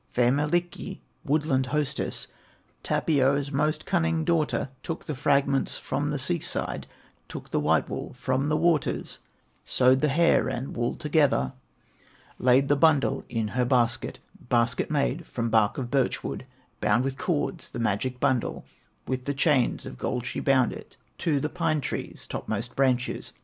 "Fair Mielikki, woodland hostess, Tapio's most cunning daughter, Took the fragments from the sea side, Took the white wool from the waters, Sewed the hair and wool together, Laid the bundle in her basket, Basket made from bark of birch wood, Bound with cords the magic bundle; With the chains of gold she bound it To the pine tree's topmost branches.